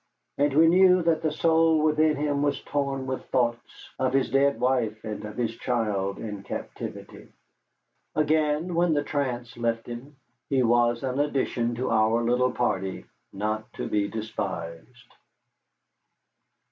And we knew that the soul within him was torn with thoughts of his dead wife and of his child in captivity. Again, when the trance left him, he was an addition to our little party not to be despised.